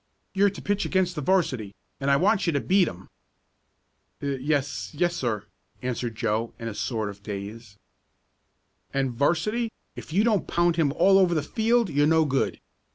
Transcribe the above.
You're to pitch against the 'varsity, and I want you to beat 'em!" "Yes yes, sir," answered Joe, in a sort of daze. "And, 'varsity, if you don't pound him all over the field you're no good!